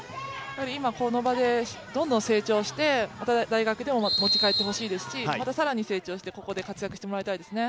今、この場でどんどん成長して大学に持ち帰ってほしいですし更に成長して向こうで活躍してもらいたいですね。